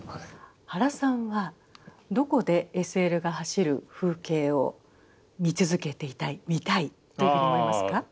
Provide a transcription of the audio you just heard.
原さんはどこでＳＬが走る風景を見続けていたい見たいというふうに思いますか？